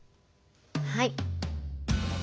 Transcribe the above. はい。